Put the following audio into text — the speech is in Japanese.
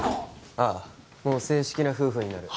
ああもう正式な夫婦になる